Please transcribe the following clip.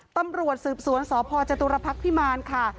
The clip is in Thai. ตำรวจสืบสวนสพจตุรพักษ์พิมารค่ะ